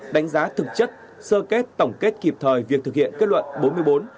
đánh giá thực chất sơ kết tổng kết kịp thời việc thực hiện kết luận bốn mươi bốn